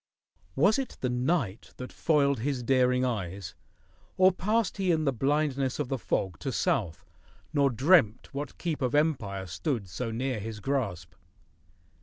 Was it the night that foiled his daring eyes, Or passed he in the blindness of the fog To south, nor dreamt what keep of empire stood So near his grasp?